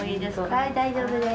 はい大丈夫です。